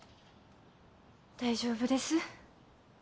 大丈夫です